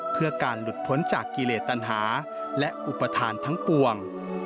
เพื่อการหลุดพ้นจากกิเลสตัญหาและอุปทานทั้งปวง